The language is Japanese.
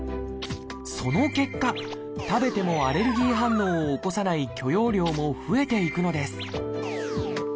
その結果食べてもアレルギー反応を起こさない許容量も増えていくのです